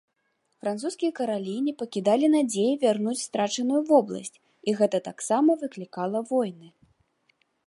Французскія каралі не пакідалі надзеі вярнуць страчаную вобласць, і гэта таксама выклікала войны.